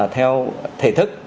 theo thể thức